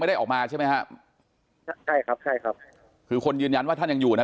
ไม่ได้ออกมาใช่ไหมฮะตัวคุณยืนย้านว่าท่านอยู่นั่น